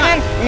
elah aduh aduh